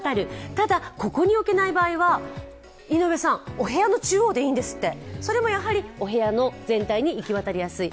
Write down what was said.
ただここに置けない場合は井上さん、お部屋の中央でいいんですってそれもお部屋の全体にいきやすい。